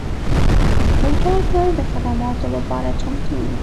موټر تل د خدماتو لپاره چمتو وي.